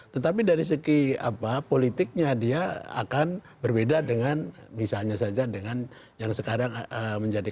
tetapi dari segi politiknya dia akan berbeda dengan misalnya saja dengan yang sekarang menjadi